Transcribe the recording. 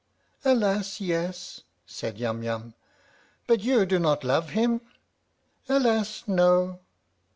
" Alas, yes !" said Yum Yum. " But you do not love him?" " Alas, no